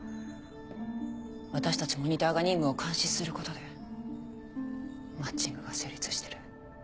私たちモニターが任務を監視することでマッチングが成立してる。